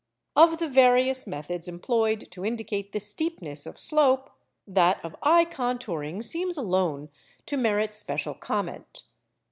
Of the various methods employed to indicate the steepness of slope, that of eye contouring seems alone to merit special comment.